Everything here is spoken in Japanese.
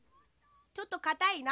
ちょっとかたいな？